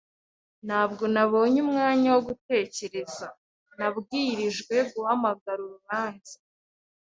Ntabwo nabonye umwanya wo gutekereza. Nabwirijwe guhamagara urubanza.